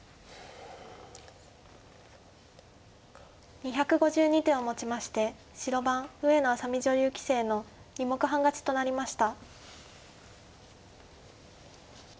２５２手をもちまして白番上野愛咲美女流棋聖の２目半勝ちとなりました。